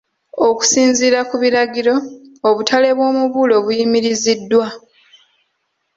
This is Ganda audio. Okusinziira ku biragiro, obutale bw’omubuulo buyimiriziddwa.